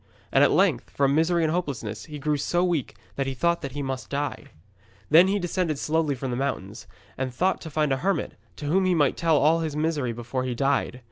And at length, from misery and hopelessness, he grew so weak that he thought that he must die. Then he descended slowly from the mountains, and thought to find a hermit, to whom he might tell all his misery before he died.